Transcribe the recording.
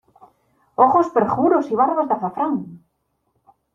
¡ ojos perjuros y barbas de azafrán!